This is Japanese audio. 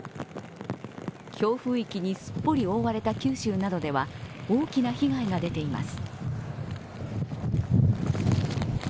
強風域にすっぽり覆われた九州などでは大きな被害が出ています。